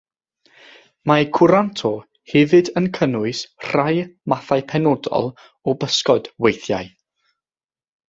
Mae curanto hefyd yn cynnwys rhai mathau penodol o bysgod weithiau.